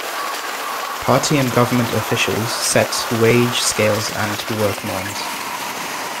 Party and government officials set wage scales and work norms.